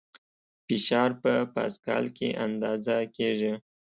فشار په پاسکال کې اندازه کېږي.